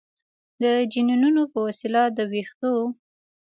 د جینونو په وسیله د ویښتو